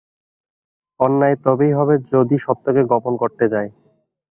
অন্যায় তবেই হবে, যদি সত্যকে গোপন করতে যায়।